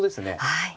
はい。